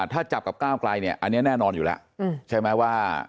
ถ้าจับกับก้าวไกลเนี่ยอันนี้แน่นอนอยู่แล้วใช่ไหมว่า